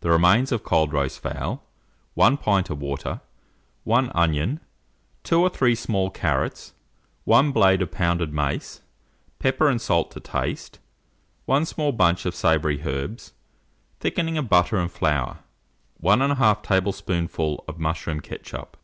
The remains of cold roast fowl, 1 pint of water, 1 onion, 2 or three small carrots, 1 blade of pounded mace, pepper and salt to taste, 1 small bunch of savoury herbs, thickening of butter and flour, 1 1/2 tablespoonful of mushroom ketchup.